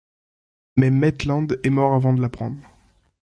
Mais Maitland est mort avant de l'apprendre.